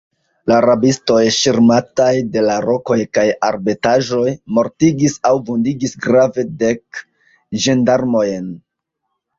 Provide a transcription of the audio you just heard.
La rabistoj, ŝirmataj de la rokoj kaj arbetaĵoj, mortigis aŭ vundigis grave dek ĝendarmojn.